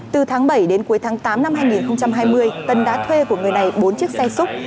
từ tháng bảy đến cuối tháng tám năm hai nghìn hai mươi tân đã thuê của người này bốn chiếc xe xúc